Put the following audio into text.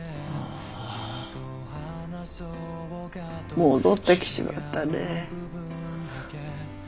戻ってきちまったね。